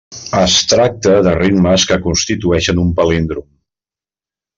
Es tracta de ritmes que constitueixen un palíndrom.